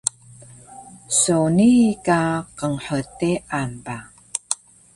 so nii ka qnhdean ba